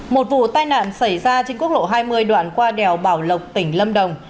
một vụ tai nạn xảy ra trên quốc lộ hai mươi đoạn qua đèo bảo lộc tỉnh lâm đồng